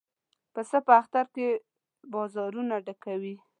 پسه په اختر کې بازارونه ډکوي.